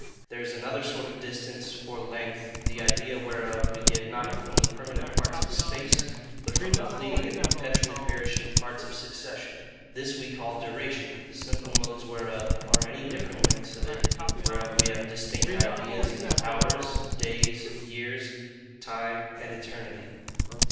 There is another sort of distance, or length, the idea whereof we get not from the permanent parts of space, but from the fleeting and perpetually perishing parts of succession. This we call DURATION; the simple modes whereof are any different lengths of it whereof we have distinct ideas, as HOURS, DAYS, YEARS, &c., TIME and ETERNITY.